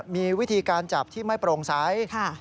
มีวิธีการจับที่ไม่โปร่งใส